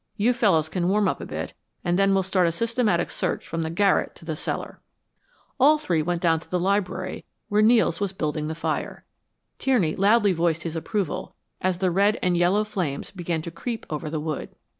You fellows can warm up a bit and then we'll start a systematic search from the garret to the cellar." All three then went down to the library where Nels was building the fire. Tierney loudly voiced his approval as the red and yellow flames began to creep over the wood.